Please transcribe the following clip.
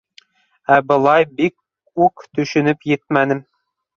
Ә былай бик үк төшөнөп етмәнем.